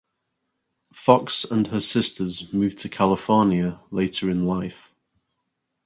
Fox and her sisters moved to California later in life.